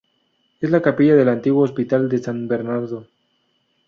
Es la capilla del antiguo Hospital de San Bernardo.